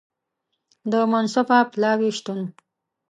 د منصفه پلاوي شتون